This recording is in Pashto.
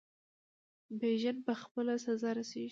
بیژن په خپله سزا رسیږي.